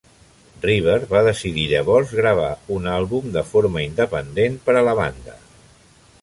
River va decidir llavors gravar un àlbum de forma independent per a la banda.